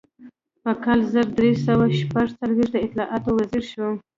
په کال زر درې سوه شپږ څلویښت د اطلاعاتو وزیر شو.